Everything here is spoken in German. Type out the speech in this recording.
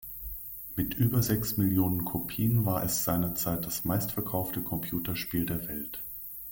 Mit über sechs Millionen Kopien war es seinerzeit das meistverkaufte Computerspiel der Welt.